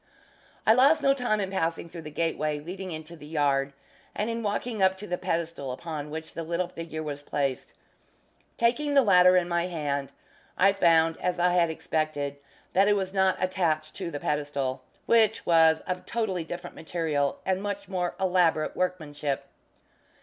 I lost no time in passing through the gateway leading into the yard, and in walking up to the pedestal upon which the little figure was placed. Taking the latter in my hand, I found, as I had expected, that it was not attached to the pedestal, which was of totally different material, and much more elaborate workmanship.